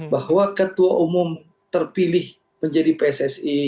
bahwa ketua umum terpilih menjadi pssi